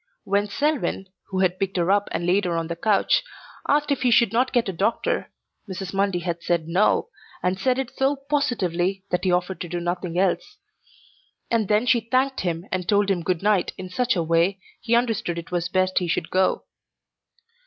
When Selwyn, who had picked her up and laid her on the couch, asked if he should not get a doctor, Mrs. Mundy had said no, and said it so positively that he offered to do nothing else. And then she thanked him and told him good night in such a way he understood it was best he Should go.